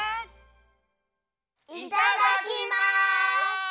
いただきます！